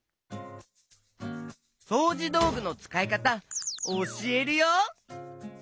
そうじどうぐのつかいかたおしえるよ！